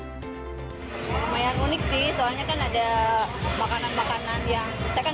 lumayan unik sih soalnya kan ada makanan makanan yang